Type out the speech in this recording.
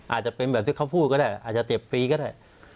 อาจจะเป็นแบบที่เขาพูดก็ได้อาจจะเจ็บฟรีก็ได้